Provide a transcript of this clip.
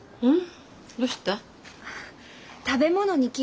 うん！